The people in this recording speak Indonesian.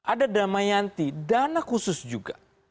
ada damayanti dana khusus juga